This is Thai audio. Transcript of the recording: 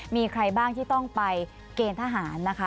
มีใครบ้างที่ต้องไปเกณฑ์ทหารนะคะ